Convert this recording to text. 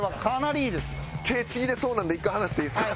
手ちぎれそうなんで１回離していいですか？